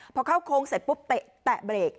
พอเข้าโค้งเสร็จปุ๊บแตะเบรก